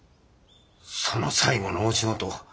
その最後の大仕事